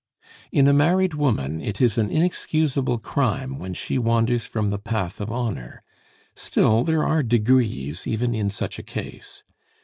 In a married woman it is an inexcusable crime when she wanders from the path of honor; still, there are degrees even in such a case.